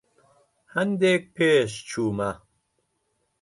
هەندێک پێشچوومە.